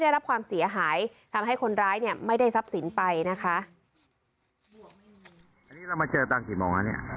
ร้ายเนี่ยไม่ได้ทรัพย์สินไปนะคะอันนี้เรามาเจอตอนกี่โมงแล้วเนี่ย